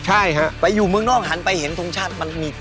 ใช่ฮะไปอยู่เมืองนอกหันไปเห็นทรงชาติมันมี